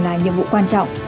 là nhiệm vụ quan trọng